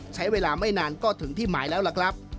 ใช้เวลาไม่นานก็ถึงที่หมายแล้วล่ะครับ